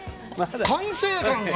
完成感が！